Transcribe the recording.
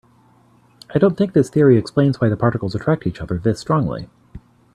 I don't think this theory explains why the particles attract each other this strongly.